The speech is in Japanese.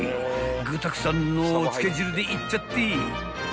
［具だくさんのつけ汁でいっちゃって］